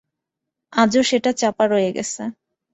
আজও সেটা চাপা রয়ে গেছে।